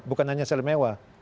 bukan hanya sel mewah